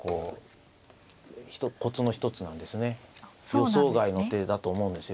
予想外の手だと思うんですよ。